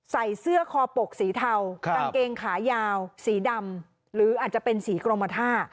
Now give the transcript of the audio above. ใส่เสื้อคอปกสีเทากางเกงขายาวสีดำหรืออาจจะเป็นสีกรมท่า